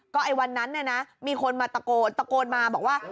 ไอ้วันนั้นเนี่ยนะมีคนมาตะโกนตะโกนมาบอกว่า